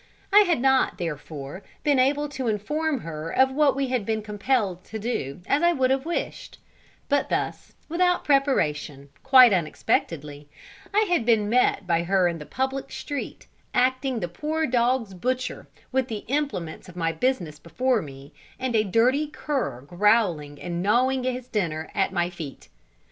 I had not, therefore, been able to inform her of what we had been compelled to do, as I would have wished; but thus, without preparation, quite unexpectedly, I had been met by her in the public street, acting the poor dogs' butcher, with the implements of my business before me, and a dirty cur growling and gnawing his dinner at my feet.